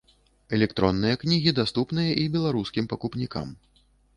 Электронныя кнігі даступныя і беларускім пакупнікам.